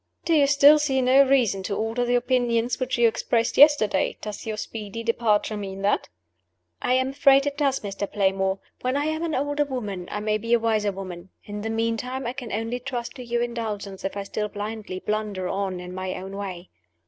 "Do you still see no reason to alter the opinions which you expressed yesterday? Does your speedy departure mean that?" "I am afraid it does, Mr. Playmore. When I am an older woman, I may be a wiser woman. In the meantime, I can only trust to your indulgence if I still blindly blunder on in my own way."